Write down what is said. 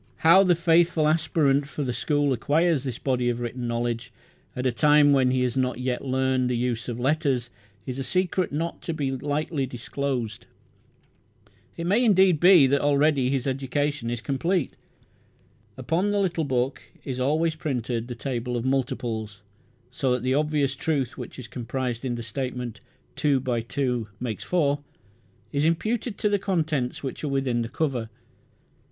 How the faithful aspirant for the school acquires this body of written knowledge at a time when he has not yet learned the use of letters is a secret not to be lightly disclosed. It may indeed be that already his education is complete. Upon the little book is always printed the table of multiples, so that the obvious truth which is comprised in the statement, "two by two makes four", is imputed to the contents which are within the cover.